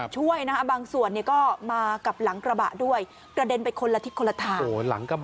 ช่วยนะคะบางส่วนก็มากับหลังกระบะด้วยกระเด็นไปคนละทิศคนละทาง